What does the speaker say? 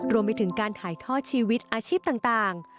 รวมไปถึงการถ่ายทอดชีวิตอาชีพต่าง